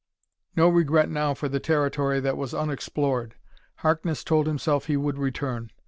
No regret now for the territory that was unexplored. Harkness told himself he would return.